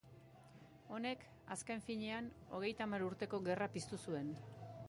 Honek, azken finean, Hogeita Hamar Urteko Gerra piztu zuen.